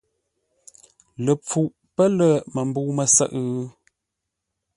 Ləpfuʼ pə́ lə̂ məmbə̂u mə́sə́ʼə́?